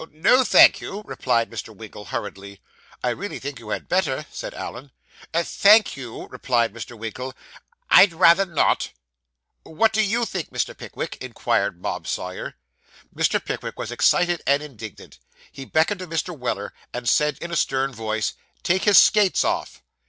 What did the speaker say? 'No, thank you,' replied Mr. Winkle hurriedly. 'I really think you had better,' said Allen. 'Thank you,' replied Mr. Winkle; 'I'd rather not.' 'What do _you _think, Mr. Pickwick?' inquired Bob Sawyer. Mr. Pickwick was excited and indignant. He beckoned to Mr. Weller, and said in a stern voice, 'Take his skates off.